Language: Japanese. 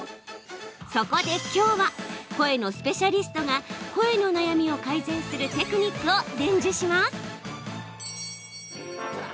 そこで、きょうは声のスペシャリストが声の悩みを改善するテクニックを伝授します。